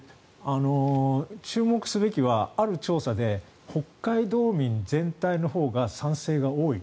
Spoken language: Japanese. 注目すべきはある調査で北海道民全体のほうが賛成が多い。